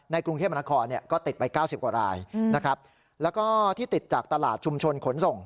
กรุงเทพมนาคมเนี่ยก็ติดไป๙๐กว่ารายนะครับแล้วก็ที่ติดจากตลาดชุมชนขนส่ง